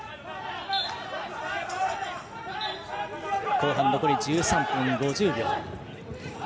後半、残り１３分あまり。